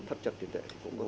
thật chặt tiền tệ